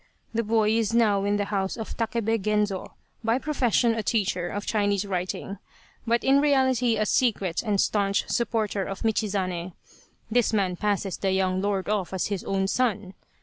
The boy is now in the house of Takebe Genzo, by profession a teacher of Chinese writing, but in reality a secret and staunch supporter of Michizane. This man passes the young lord off as his own son.